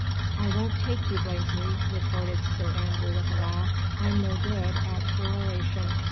"I won't take you, Blakeney," retorted Sir Andrew with a laugh. "I'm no good at peroration."